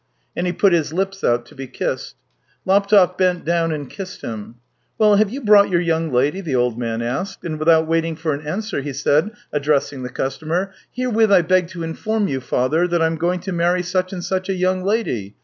And he put his lips out to be kissed. Laptev bent down and kissed him. " Well, have you brought your young lady ?" the old man asked, and without waiting for an answer, he said, addressing the customer: "' Here with I beg to inform you, father, that I'm going to marry such and such a young lady.'